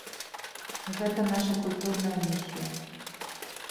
Гэта наша культурная місія.